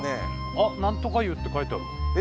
あなんとか湯って書いてあるわ。